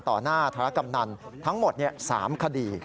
ต่อหน้าธารกำนันทั้งหมด๓คดี